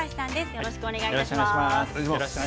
よろしくお願いします。